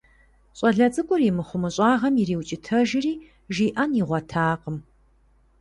ЩӀалэ цӀыкӀур и мыхъумыщӀагъэм ириукӀытэжри, жиӀэн игъуэтакъым.